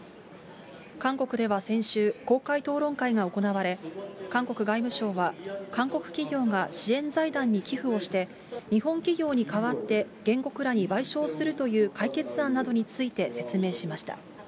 韓国では先週、公開討論会が行われ、韓国外務省は、韓国企業が支援財団に寄付をして、日本企業にかわって、原告らに賠償するという解決案などについて説明しました。